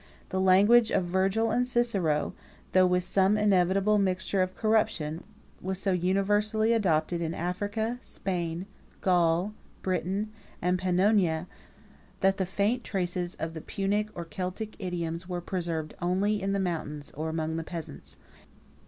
The language of Virgil and Cicero, though with some inevitable mixture of corruption, was so universally adopted in Africa, Spain, Gaul, Britain, and Pannonia, 38 that the faint traces of the Punic or Celtic idioms were preserved only in the mountains, or among the peasants.